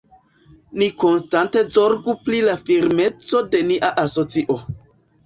Ni konstante zorgu pri la firmeco de nia asocio.